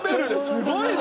すごいな！